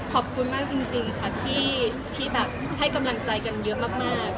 ขอบคุณมากจริงค่ะที่แบบให้กำลังใจกันเยอะมาก